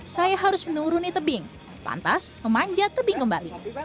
saya harus menuruni tebing pantas memanjat tebing kembali